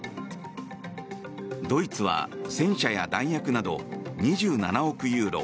ドイツは戦車や弾薬など２７億ユーロ